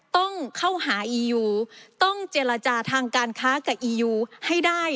ต้องเข้าหาอียูต้องเจรจาทางการค้ากับอียูให้ได้